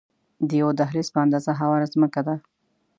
د یوه دهلیز په اندازه هواره ځمکه ده.